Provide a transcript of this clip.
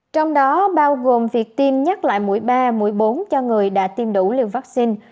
trong đó bao gồm việc tiêm nhắc lại mũi ba mũi bốn cho người đã tiêm đủ liều vaccine